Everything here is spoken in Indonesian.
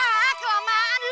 ah kelamaan lu